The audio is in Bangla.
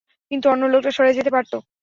কিন্তু অন্য লোকটা সরে যেতে পারত।